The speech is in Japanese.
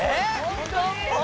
本当に？